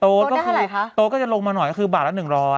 ก็คือโต๊ะก็จะลงมาหน่อยก็คือบาทละ๑๐๐